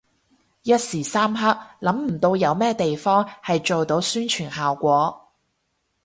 一時三刻諗唔到有咩地方係做到宣傳效果